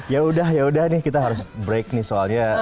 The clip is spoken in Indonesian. yaudah yaudah nih kita harus break nih soalnya